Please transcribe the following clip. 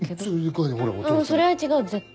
それは違う絶対。